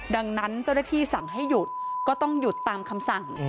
ดังนั้นเจ้าหน้าที่สั่งให้หยุดก็ต้องหยุดตามคำสั่ง